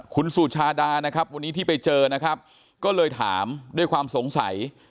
คุณสุชาดานะครับวันนี้ที่ไปเจอนะครับก็เลยถามด้วยความสงสัย